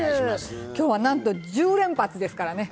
今日はなんと１０連発ですからね。